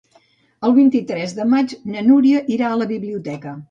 El vint-i-tres de maig na Núria irà a la biblioteca.